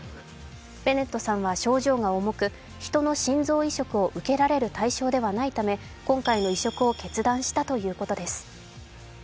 ベネットさんは症状が重く人の心臓移植を受けられる対象ではないため今回の移植を決断したということです。